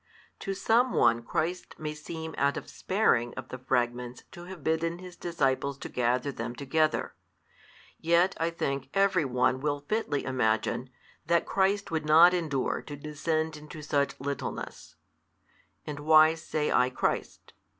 To some one Christ may seem out of sparing of the |330 fragments to have bidden His disciples to gather them together. Yet (I think) every one will fitly imagine, that Christ would not endure to descend to such littleness: and why say I Christ?